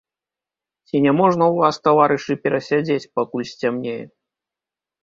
Ці няможна ў вас, таварышы, перасядзець, пакуль сцямнее?